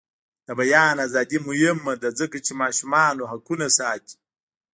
د بیان ازادي مهمه ده ځکه چې ماشومانو حقونه ساتي.